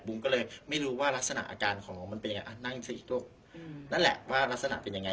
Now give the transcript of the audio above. ก็เลยไม่รู้ว่ารักษณะอาการของมันเป็นยังไงอ่ะนั่งซะอีกด้วยนั่นแหละว่ารักษณะเป็นยังไง